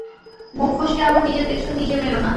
মুখ ফসকে আবার নিজের পেছন নিজে মেরো না।